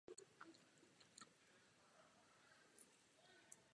Dospělce lze zahlédnout od května do června a od července do srpna.